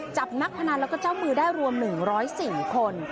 จับนักพนันแล้วก็เจ้ามือได้รวม๑๐๔คน